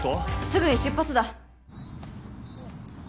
すぐに出発だ！